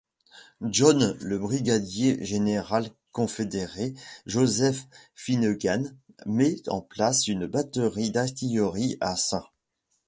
Johns, le brigadier-général confédéré Joseph Finnegan met en place une batterie d'artillerie à St.